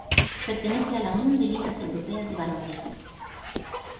Pertenece a la Unión de Ligas Europeas de Baloncesto.